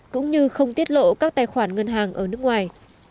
cũng như không tiết lộ các tài khoản ngân hàng ở nước ngoài